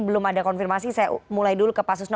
belum ada konfirmasi saya mulai dulu ke pak susno